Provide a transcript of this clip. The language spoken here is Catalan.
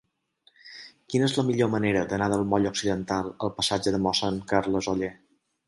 Quina és la millor manera d'anar del moll Occidental al passatge de Mossèn Carles Oller?